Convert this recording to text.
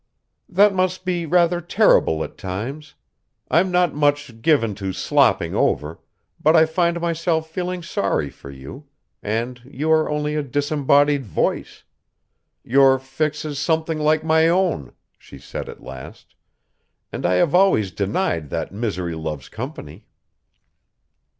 "That must be rather terrible at times. I'm not much given to slopping over, but I find myself feeling sorry for you and you are only a disembodied voice. Your fix is something like my own," she said at last. "And I have always denied that misery loves company."